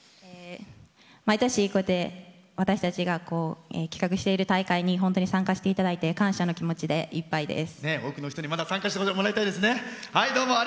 毎年、私たちが企画している大会に本当に参加していただいて感謝の気持ちでいっぱいです。